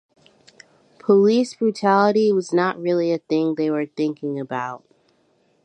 Police brutality was not really a thing they were thinking about.